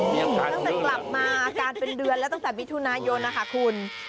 ตั้งแต่กลับมาอาการเป็นเดือนแล้วตั้งแต่มิถุนายนนะคะคุณ